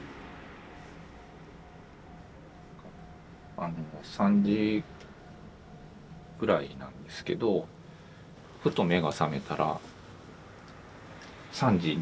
あの３時ぐらいなんですけどふと目が覚めたら３時２分だったんですけど。